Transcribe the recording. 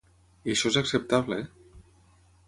I això és acceptable?